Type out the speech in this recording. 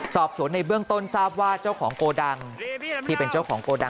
สอบสวนในเบื้องต้นทราบว่าเจ้าของโกดัง